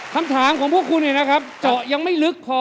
คำถามของพวกคุณเนี่ยนะครับเจาะยังไม่ลึกพอ